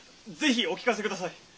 是非お聞かせください。